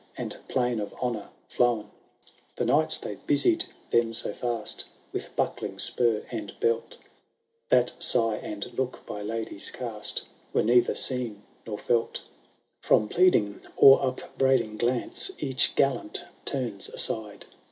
And plain of honour fiowli. The knights they busied them so fast. 45 THE BUIDAL OF TRIERMAIX. CautO II. With buckling spur and belt. That sigh and look, by ladies cast, Were neither seen nor felt From pleading, or upbraiding glance, Each gallant turns aside.